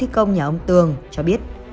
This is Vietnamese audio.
tuy công nhà ông tường cho biết